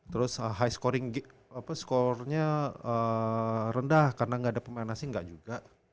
terus high scoring score nya rendah karena gak ada pemain asing gak juga